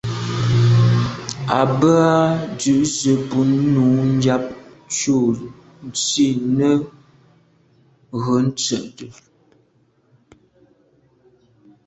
À bə́ á dʉ̀’ zə̄ bú nǔ yáp cû nsî rə̂ tsə̂də̀.